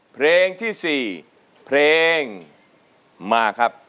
เพลงที่๔เพลงมาครับ